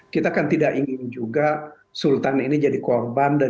kita kan tidak ingin juga sultan ini jadi korban